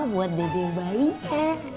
buat dedeh bayinya